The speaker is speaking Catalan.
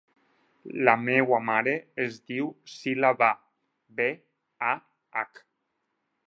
La meva mare es diu Silya Bah: be, a, hac.